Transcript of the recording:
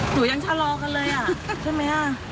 หนูยังชะลอกันเลยอ่ะ